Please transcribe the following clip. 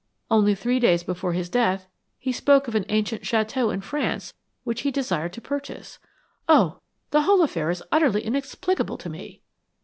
Only three days before his death he spoke of an ancient château in France which he had desired to purchase. Oh, the whole affair is utterly inexplicable to me!"